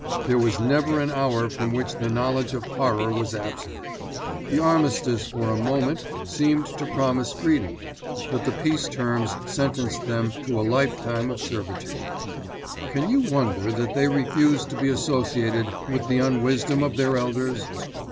There was never an hour from which the knowledge of horror was absent. The Armistice for a moment seemed to promise freedom, but the peace terms sentenced them to a life time of servitude. Can you wonder that they refuse to be associated with the unwisdom of their elders?